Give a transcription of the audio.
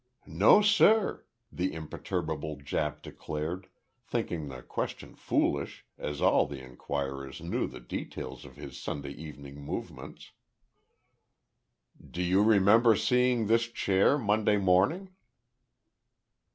"No, sir," the imperturbable Jap declared, thinking the question foolish, as all the inquirers knew the details of his Sunday evening movements. "Do you remember seeing this chair, Monday morning?"